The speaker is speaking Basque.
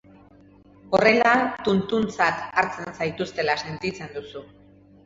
Horrela tuntuntzat hartzen zaituztela sentitzen duzu.